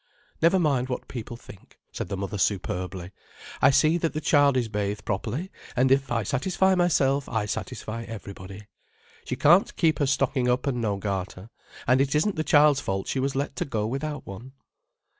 "Never mind what people think," said the mother superbly. "I see that the child is bathed properly, and if I satisfy myself I satisfy everybody. She can't keep her stocking up and no garter, and it isn't the child's fault she was let to go without one."